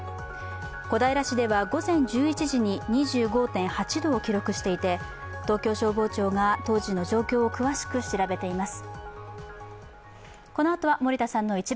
小平市では午前１１時に、２５．８度を記録していて、東京消防庁が当時の状況を詳しく調べています。